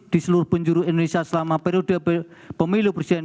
di seluruh penjuru indonesia selama periode pemilu presiden